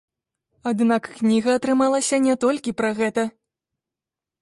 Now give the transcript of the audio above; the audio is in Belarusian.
Аднак кніга атрымалася не толькі пра гэта.